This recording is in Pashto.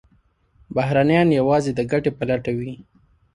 بهرنیان یوازې د ګټې په لټه وي.